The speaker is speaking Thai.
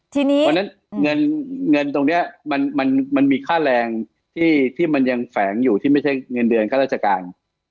เพราะฉะนั้นเงินตรงนี้มันมีค่าแรงที่มันยังแฝงอยู่ที่ไม่ใช่เงินเดือนค่าราชการ